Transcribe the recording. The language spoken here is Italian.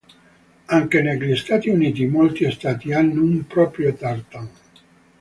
Anche negli Stati Uniti molti Stati hanno un proprio tartan.